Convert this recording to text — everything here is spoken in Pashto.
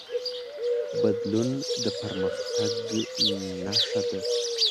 بدلون د پرمختګ نښه ده.